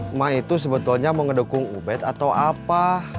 emak itu sebetulnya mau ngedukung ubet atau apa